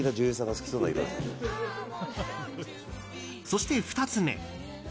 そして２つ目。